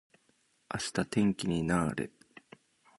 明日天気にな～れ。